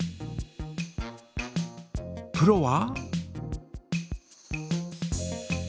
プロは？